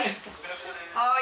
はい。